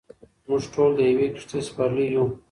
موږ ټول د یوې کښتۍ سپرلۍ یو.